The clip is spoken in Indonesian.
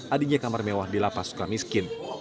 adanya kamar mewah di lapas suka miskin